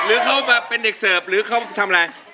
หรือเขามาเป็นเด็กเสิร์ฟหรือเขาทำอะไร